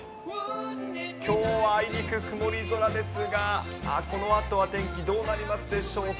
きょうはあいにく曇り空ですが、このあとは天気、どうなりますでしょうか。